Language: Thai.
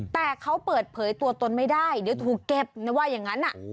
แต่เขาเปิดเผยตัวตนไม่ได้เดี๋ยวถูกเก็บว่าอย่างนั้น